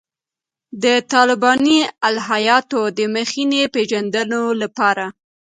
د طالباني الهیاتو د مخینې پېژندلو لپاره.